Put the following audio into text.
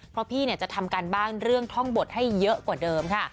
เพราะพี่จะทำการบ้านเรื่องท่องบทให้เยอะกว่าเดิมค่ะ